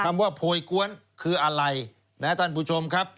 คำว่าโพยกวนคืออะไรนะท่านผู้ชมครับ